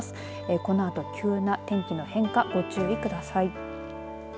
このあと、急な天気の変化にご注意ください。